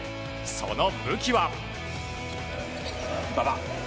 その武器は。